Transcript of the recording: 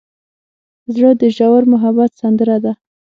زړه د ژور محبت سندره ده.